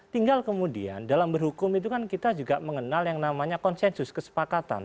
tinggal kemudian dalam berhukum itu kan kita juga mengenal yang namanya konsensus kesepakatan